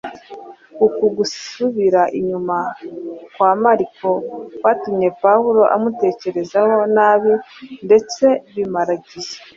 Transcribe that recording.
Uku gusubira inyuma kwa Mariko kwatumye Pawulo amutekerezaho nabi ndetse bimara igihe